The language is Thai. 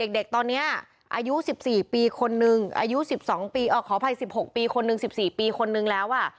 เด็กตอนนี้อายุ๑๔ปีคนนึงอายุ๑๒ปีขออภัย๑๖ปีคนหนึ่ง๑๔ปีคนนึงแล้ว